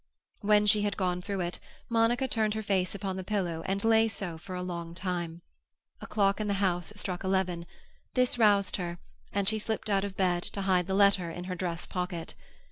When she had gone through it, Monica turned her face upon the pillow and lay so for a long time. A clock in the house struck eleven; this roused her, and she slipped out of the bed to hide the letter in her dress pocket.